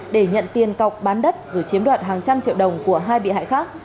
để nhận tiền cọc bán đất rồi chiếm đoạt hàng trăm triệu đồng của hai bị hại khác